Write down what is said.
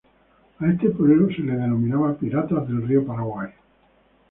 A este pueblo se lo denominaba "piratas del río Paraguay".